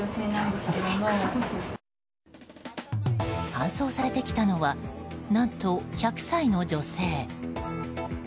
搬送されてきたのは何と１００歳の女性。